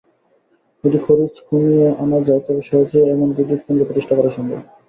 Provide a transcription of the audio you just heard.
যদি খরচ কমিয়ে আনা যায় তবে সহজেই এমন বিদ্যুৎকেন্দ্র প্রতিষ্ঠা করা সম্ভব।